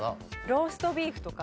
ローストビーフとか。